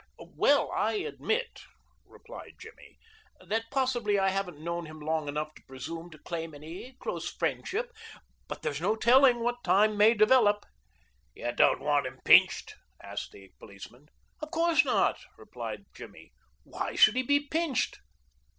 "Well, I'll admit," replied Jimmy, "that possibly I haven't known him long enough to presume to claim any close friendship, but there's no telling what time may develop." "You don't want him pinched?" asked the policeman. "Of course not," replied Jimmy. "Why should he be pinched?"